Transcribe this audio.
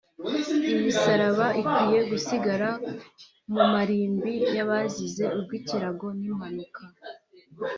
Imisaraba ikwiye gusigara mu marimbi y’abazize urw’ikirago n’impanuka